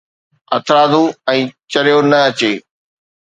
هٿرادو ۽ چريو نه اچي؟